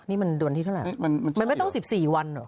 นี่มันเดือนที่เท่าไหร่มันไม่ต้อง๑๔วันเหรอ